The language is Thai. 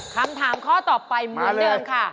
คำถามข้อต่อไปเหมือนเดิมค่ะ